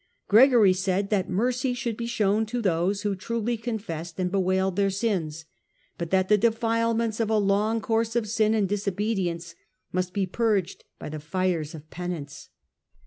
Gregory said that mercy should be shown to those who truly confessed and bewailed their sins, but that the defilements of a long course of sin and disobe dience must be purged by the fires of penance.